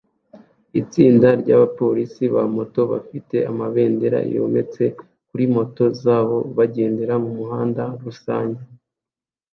Itsinda ryabapolisi ba moto bafite amabendera yometse kuri moto zabo bagenda mumuhanda rusange